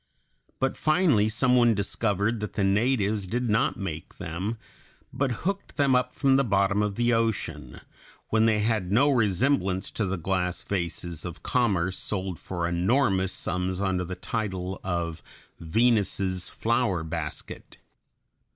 But finally some one discovered that the natives did not make them, but hooked them up from the bottom of the ocean, when they had no resemblance to the glass vases of commerce sold for enormous sums under the title of Venus's flower basket.